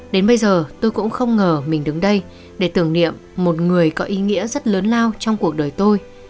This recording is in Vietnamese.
đến bây giờ tôi cũng không ngờ mình đứng đây để tưởng niệm một người có ý nghĩa rất lớn lao trong cuộc đời tôi